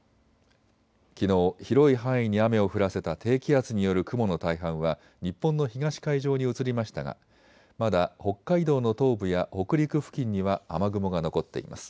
きのう広い範囲に雨を降らせた低気圧による雲の大半は日本の東海上に移りましたがまだ北海道の東部や北陸付近には雨雲が残っています。